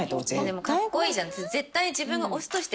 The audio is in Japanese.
でもかっこいいじゃん。